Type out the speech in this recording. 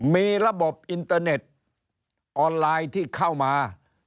มีระบบอินเตอร์เน็ตออนไลน์ที่เข้ามา